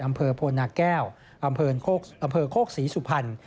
อำเภอโพนาแก้วอำเภอโครกษีสุพันธ์